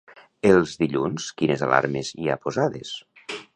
Els dilluns quines alarmes hi ha posades?